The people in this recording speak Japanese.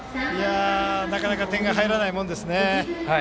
なかなか点が入らないものですね。